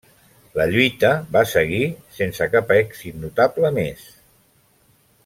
La lluita va seguir sense cap èxit notable més.